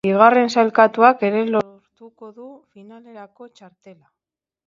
Bigarren sailkatuak ere lortuko du finalerako txartela.